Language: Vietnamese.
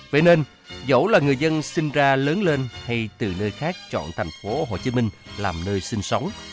vậy nên dẫu là người dân sinh ra lớn lên hay từ nơi khác chọn thành phố hồ chí minh làm nơi sinh sống